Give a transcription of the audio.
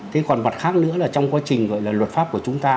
thế còn mặt khác nữa là trong quá trình gọi là luật pháp của chúng ta